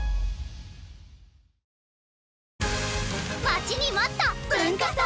待ちに待った文化祭！